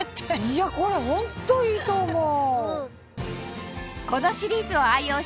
いやこれホントいいと思う！